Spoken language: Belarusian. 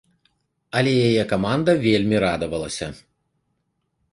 Але яе каманда вельмі радавалася.